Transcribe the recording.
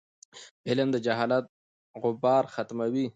علم د جهالت غبار ختموي.